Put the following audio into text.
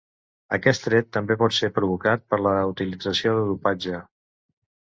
Aquest tret també pot ser provocat per la utilització de dopatge.